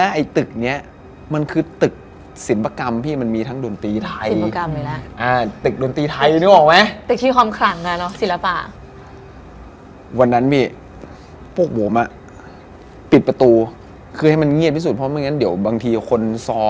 เรียกว่าไม่ธรรมดาคือมันเริ่มจากเสียงกลิ่น